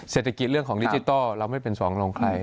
เศรษฐกิจเรื่องของดิจิทัลเราไม่เป็นสองรองใคร